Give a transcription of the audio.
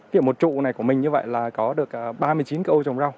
vì một trụ này của mình như vậy là có được ba mươi chín cây ô trồng rau